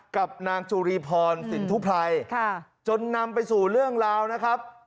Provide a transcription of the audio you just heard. กับนางจุรีพรสินทุไพรจนนำไปสู่เรื่องราวนะครับ